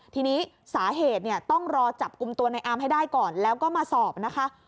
ทีนี้สาเหตุเนี่ยต้องรอจับกลุ่มตัวในอาร์มให้ได้ก่อนแล้วก็มาสอบนะคะ